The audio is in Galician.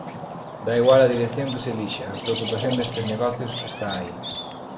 Dá igual a dirección que se elixa, a preocupación destes negocios está aí.